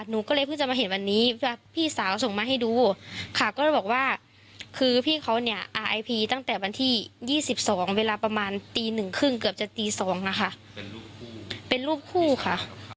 หนูก็เลยเพิ่งจะมาเห็นวันนี้พี่สาวส่งมาให้ดูค่ะก็เลยบอกว่าคือพี่เขาเนี่ยอ่าไอพีตั้งแต่วันที่๒๒เวลาประมาณตีหนึ่งครึ่งเกือบจะตี๒นะคะเป็นรูปคู่ค่ะ